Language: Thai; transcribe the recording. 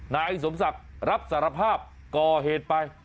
นายสมศักดิ์รับสารภาพก่อเหตุไป